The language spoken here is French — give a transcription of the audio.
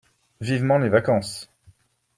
Vivement les vacances!